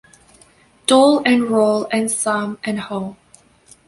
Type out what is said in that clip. Doll and roll and some and home.